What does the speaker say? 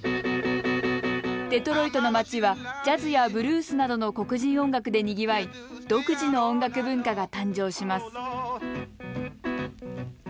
デトロイトの町はジャズやブルースなどの黒人音楽でにぎわい独自の音楽文化が誕生します